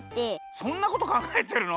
そんなことかんがえてるの？